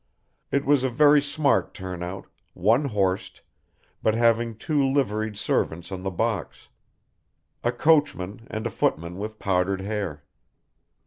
It was a very smart turn out, one horsed, but having two liveried servants on the box. A coachman, and a footman with powdered hair.